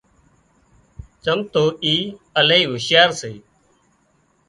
چم تو اِي الاهي هُوشيار سي